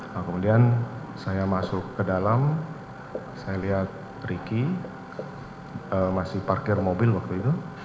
nah kemudian saya masuk ke dalam saya lihat ricky masih parkir mobil waktu itu